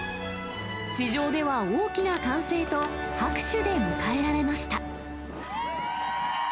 地上では大きな歓声と拍手で迎えられました。